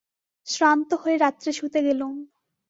শ্রান্ত হয়ে রাত্রে শুতে গেলুম।